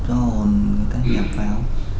rồi người ta nhập vào